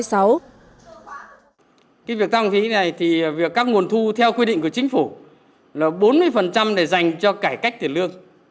cái việc tăng phí này thì việc các nguồn thu theo quy định của chính phủ là bốn mươi để dành cho cải cách tiền lương